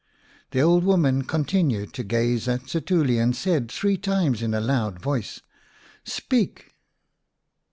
The old woman continued to gaze at Setuli, and said three times in a loud voice, " Speak